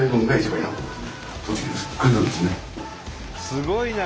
すごいな！